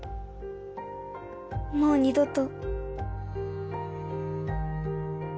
もう二どと。